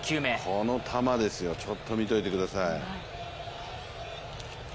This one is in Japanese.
この球ですよ、ちょっと見ておいてください。